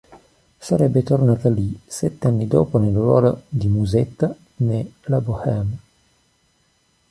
Sarebbe tornata lì sette anni dopo nel ruolo di Musetta ne "La bohème".